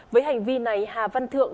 với hành vi này hà văn thượng